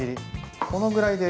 このぐらいで？